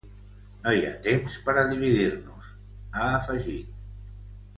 No hi ha temps per a dividir-nos, ha afegit.